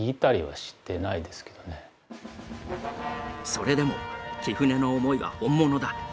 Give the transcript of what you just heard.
それでも木舟の思いは本物だ。